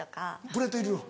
プレートいるの？